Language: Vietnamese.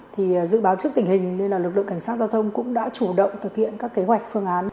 thì dự báo trước tình hình nên là lực lượng cảnh sát giao thông cũng đã chủ động thực hiện các kế hoạch phương án